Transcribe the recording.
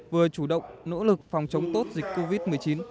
vừa chủ động nỗ lực phòng chống tốt dịch covid một mươi chín